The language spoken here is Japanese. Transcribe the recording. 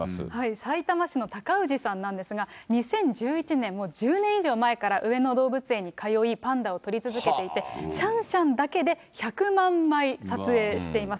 さいたま市の高氏さんなんですが、２０１１年、もう１０年以上前から上野動物園に通い、パンダを撮り続けていて、シャンシャンだけで１００万枚撮影しています。